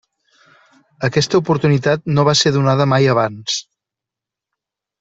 Aquesta oportunitat no va ser donada mai abans.